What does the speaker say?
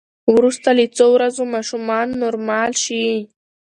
وروسته له څو ورځو ماشومان نورمال شي.